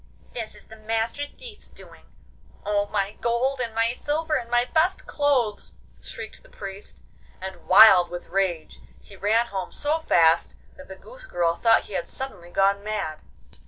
'This is the Master Thief's doing! Oh, my gold and my silver and my best clothes!' shrieked the Priest, and, wild with rage, he ran home so fast that the goose girl thought he had suddenly gone mad.